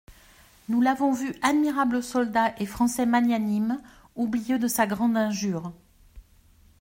Nous l'avons vu admirable soldat et Français magnanime, oublieux de sa grande injure.